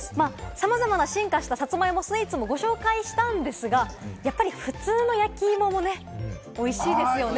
さまざまな進化したさつまいもスイーツもご紹介したんですが、やっぱり普通の焼き芋もね、おいしいですよね。